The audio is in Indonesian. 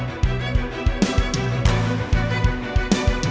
setelah baru dia chanel ordinase